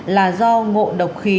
là do ngộ độc khí